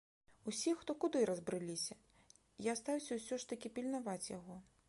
Усе хто куды разбрыліся, я астаўся ўсё ж такі пільнаваць яго.